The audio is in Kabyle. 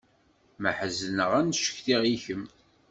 Ma ḥezneɣ ad n-cetkiɣ i kemm.